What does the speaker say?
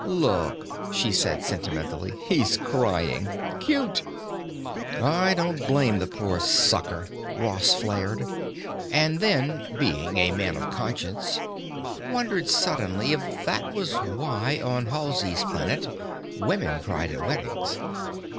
"Look," she said sentimentally. "He's crying. Cute!" "I don't blame the poor sucker," Ross flared, and then, being a man of conscience, wondered suddenly if that was why, on Halsey's Planet, women cried at weddings.